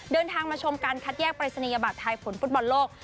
เดินทางมาชมการคัดแยกปรายศนียบัตรไทยผลฟุตบอลโลก